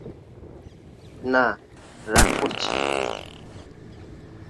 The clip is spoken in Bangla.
না, রাগ করছি না।